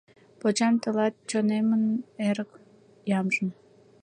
Почам тылат чонемын эрык ямжым